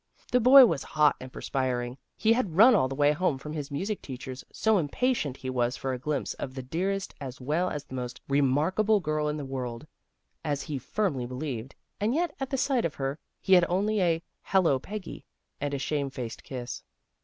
The boy was hot and perspiring. He had run all the way home from his music teacher's, so impatient was he for a glimpse of the dearest as well as the most remarkable girl in the world, as he firmly believed, and yet at the sight of her, he had only a " hello Peggy," and a shame faced kiss.